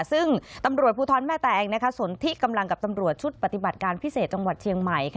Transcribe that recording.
ซึ่งตำรวจภูทรแม่แตงสนที่กำลังกับตำรวจชุดปฏิบัติการพิเศษจังหวัดเชียงใหม่